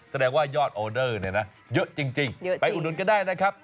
แสดงว่ายอดโอเดอร์เยอะจริงไปอุดนุ่นก็ได้นะครับ